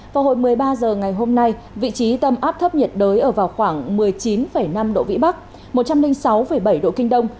vào hồi một mươi ba h ngày hôm nay vị trí tâm áp thấp nhiệt đới ở vào khoảng một mươi chín năm độ vĩ bắc một trăm linh sáu bảy độ kinh đông